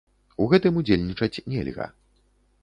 У гэтым удзельнічаць нельга.